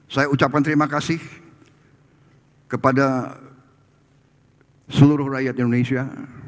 saya ucapkan terima kasih kepada seluruh rakyat indonesia